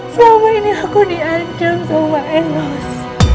selama ini aku diancam sama eles